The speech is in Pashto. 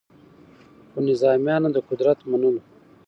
خو نظامیانو د قدرت منلو